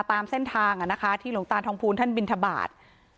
ตามเส้นทางที่หลวงตาทองภูลท่านบินทบาท